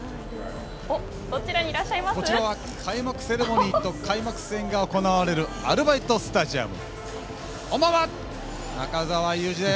こちらは開幕セレモニーと開幕戦が行われるアルバイトスタジアム。